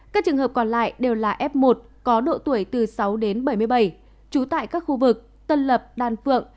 các trường hợp còn lại đều là f một có độ tuổi từ sáu đến bảy mươi bảy trú tại các khu vực tân lập đan phượng